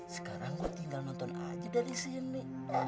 sekarang kok tinggal nonton aja dari sini